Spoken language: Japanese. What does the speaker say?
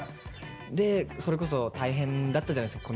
でそれこそ大変だったじゃないですか